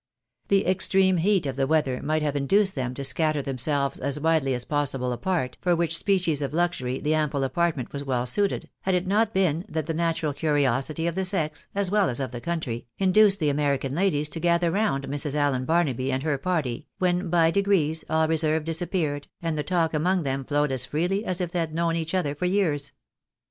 The extreme heat of the weather might have induced them to scatter themselves as widely as possible apart, for which species of luxury the ample apartment was well suited, had it not been thai) the natural curiosity of the sex, as well as of the country, induced the American ladies to gather round Mrs. Allen Barnaby and her party, when, by degrees, all reserve disappeared, and the talk among them flowed as freely as if they had known each other for years.